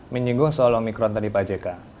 menyinggung soal unikron tadi pak ck